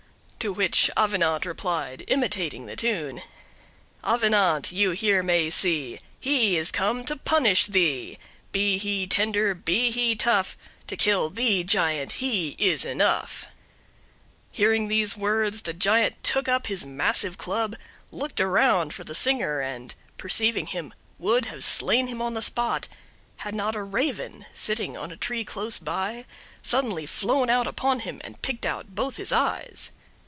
To which Avenant replied, imitating the tune: "Avenant you here may see, He is come to punish thee: Be he tender, be he tough, To kill thee, giant, he is enough." Hearing these words, the giant took up his massive club, looked around for the singer, and perceiving him, would have slain him on the spot, had not a Raven, sitting on a tree close by, suddenly flown out upon him and picked out both his eyes.